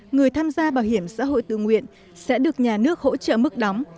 người tham gia bảo hiểm xã hội tự nguyện sẽ được nhà nước hỗ trợ mức đóng